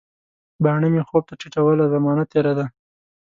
باڼه مي خوب ته ټیټوله، زمانه تیره ده